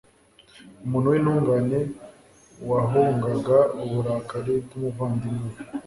umuntu w'intungane wahungaga uburakari bw'umuvandimwe we